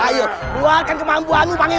ayo luarkan kemampuan lu pangeran